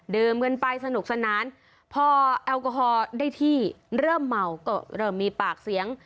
กันไปสนุกสนานพอแอลกอฮอล์ได้ที่เริ่มเมาก็เริ่มมีปากเสียง